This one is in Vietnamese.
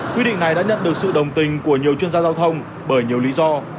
quy định này đã nhận được sự đồng tình của nhiều chuyên gia giao thông bởi nhiều lý do